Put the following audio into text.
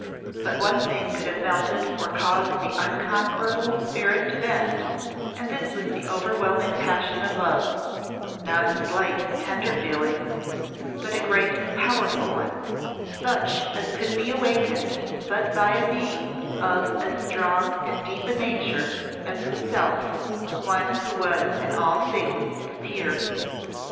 But one thing could have melted or caused the unconquerable spirit to bend, and this was the overwhelming passion of love not a slight, tender feeling, but a great and powerful one, such as could be awakened but by a being of as strong and deep a nature as itself, one who was in all things its peer.